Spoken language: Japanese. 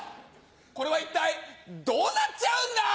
これは一体どうなっちゃうんだ？